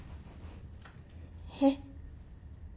えっ？